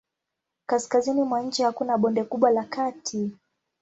Kaskazini mwa nchi hakuna bonde kubwa la kati.